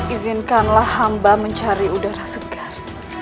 izinkanlah hamba mencari udara segar